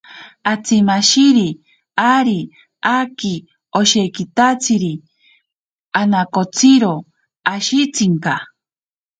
Atsimashiri ari aaki oshekitatsiri anakotsiro ashintsinka.